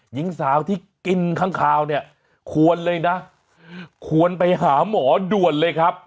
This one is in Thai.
หญิงสาวที่กินข้างคาวเนี่ยควรเลยนะควรไปหาหมอด่วนเลยครับ